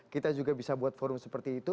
kita juga bisa buat forum seperti itu